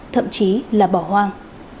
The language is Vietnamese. thậm chí là bỏ hoang